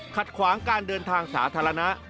ขัดขวางการเดินทางสาธารณะ